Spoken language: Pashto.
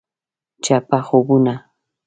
چپه خوبونه …